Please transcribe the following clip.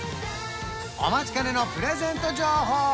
お待ちかねのプレゼント情報